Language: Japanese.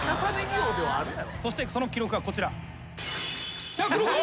そしてその記録がこちら。